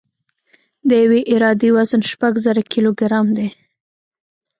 د یوې عرادې وزن شپږ زره کیلوګرام دی